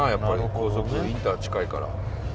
高速インター近いから。